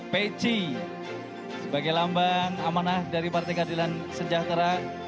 peci sebagai lambang amanah dari partai keadilan sejahtera